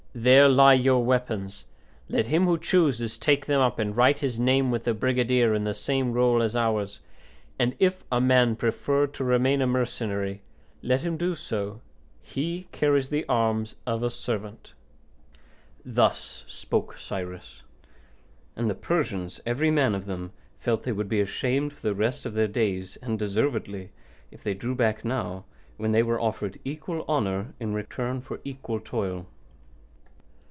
There lie your weapons; let him who chooses take them up and write his name with the brigadier in the same roll as ours. And if a man prefers to remain a mercenary, let him do so; he carries the arms of a servant." Thus spoke Cyrus; and the Persians, every man of them, felt they would be ashamed for the rest of their days, and deservedly, if they drew back now, when they were offered equal honour in return for equal toil.